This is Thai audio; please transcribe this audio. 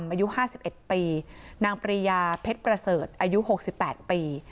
อายุห้าสิบเอ็ดปีนางปรียาเพ็ดประเสริฐอายุหกสิบแปดปี